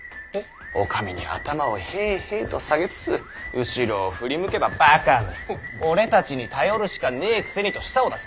お上に頭をへぇへぇと下げつつ後ろを振り向けば「バカめ。俺たちに頼るしかねぇくせに」と舌を出す。